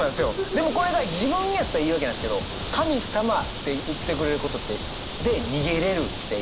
でもこれが自分やったら言い訳なんですけど「神様」って言ってくれることで逃げれるっていう。